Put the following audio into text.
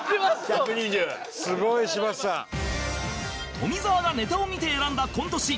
富澤がネタを見て選んだコント師